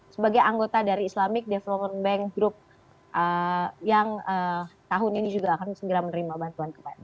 sebagai anggota dari islamic development bank group yang tahun ini juga akan segera menerima bantuan kembali